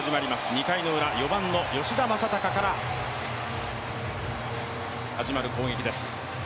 ２回ウラ、４番の吉田正尚から始まる攻撃です。